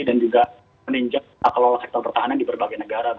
dan juga meninjak kata kelola sektor pertahanan di berbagai negara